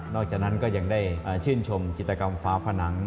จากนั้นก็ยังได้ชื่นชมจิตกรรมฟ้าผนัง